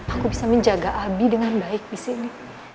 aku bisa menjaga abi dengan baik disini